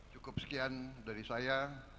cukup sekian dari saya